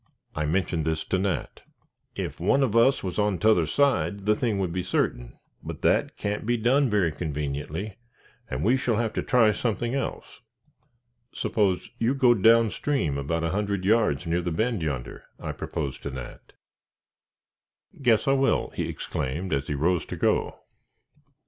I mentioned this to Nat. "If one of us was on t'other side, the thing would be certain, but that can't be done very conveniently, and we shall have to try something else." "Suppose you go down stream about a hundred yards near the bend yonder," I proposed to Nat. "Guess I will!" he exclaimed, as he rose to go. "Wait a moment," said I, detaining him.